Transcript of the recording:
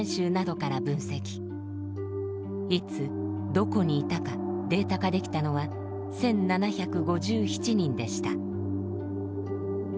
いつどこにいたかデータ化できたのは１，７５７人でした。